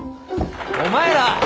お前ら！